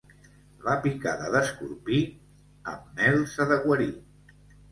La picada d'escorpí amb mel s'ha de guarir.